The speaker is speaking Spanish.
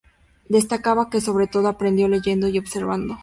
Destacaba que sobre todo, aprendió leyendo y observando.